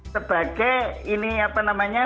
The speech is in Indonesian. sebagai ini apa namanya